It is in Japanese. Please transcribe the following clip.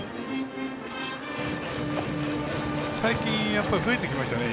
最近増えてきましたね。